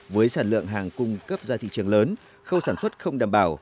với sản lượng hàng cung cấp ra thị trường lớn khâu sản xuất không đảm bảo